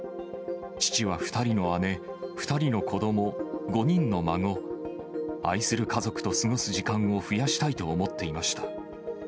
父は２人の姉、２人の子ども、５人の孫、愛する家族と過ごす時間を増やしたいと思っていました。